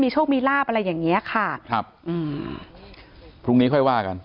มีโชคมีลาบอะไรอย่างนี้ค่ะพรุ่งนี้ค่อยไหว้กัน